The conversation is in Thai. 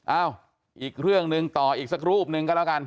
เอ้าอีกเรื่องหนึ่งต่ออีกสักรูปหนึ่งก็แล้วกัน